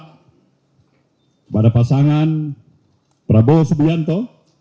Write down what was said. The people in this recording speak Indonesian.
kepada pasangan prabowo subianto